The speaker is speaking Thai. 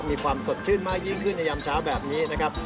มีความสดชื่นมากยิ่งขึ้นในยามเช้าแบบนี้นะครับ